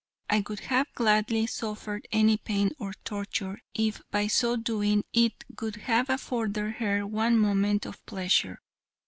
I would have gladly suffered any pain or torture, if by so doing it would have afforded her one moment of pleasure.